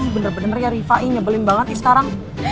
ih bener bener ya rifa ini nyebelin banget ya sekarang